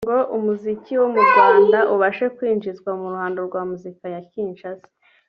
ngo umuziki wo mu Rwanda ubashe kwinjizwa mu ruhando rwa muzika ya Kinshasa